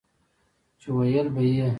چې وييل به يې